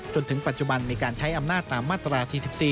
จนถึงปัจจุบันมีการใช้อำนาจตามมาตรา๔๔